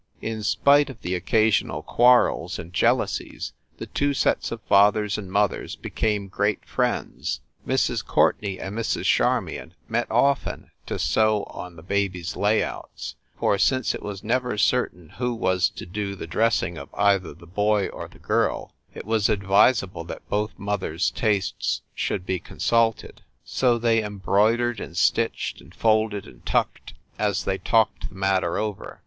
In spite of the occasional quarrels and jealousies, the two sets of fathers and mothers be came great friends. Mrs. Courtenay and Mrs. Charmion met often to sew on the babies layouts; for, since it was never certain who was to do the dressing of either the boy or the girl, it was advisa ble that both mothers tastes should be consulted. So they embroidered and stitched and folded and tucked as they talked the matter over.